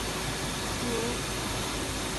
เงะ